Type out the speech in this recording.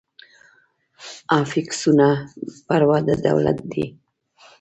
افیکسونه پر وده ډوله دي.